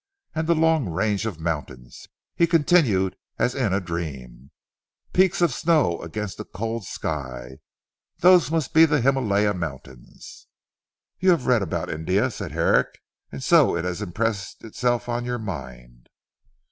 And the long range of mountains," he continued as in a dream, "peaks of snow against a cold sky. Those must be the Himalaya Mountains." "You have read about India," said Herrick, "and so it has impressed itself on your mind."